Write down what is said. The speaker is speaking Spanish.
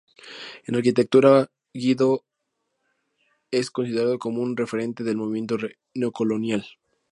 En arquitectura, Guido es considerado como un referente del movimiento neocolonial.